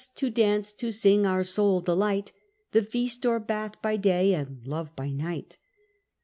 to dance, to sing, our sole delight. The feast or batli by day, and love by night.